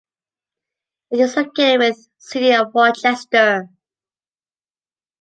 It is located within City of Rochester.